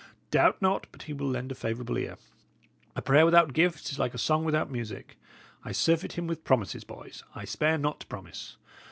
Doubt not but he will lend a favourable ear. A prayer without gifts is like a song without music: I surfeit him with promises, boys I spare not to promise.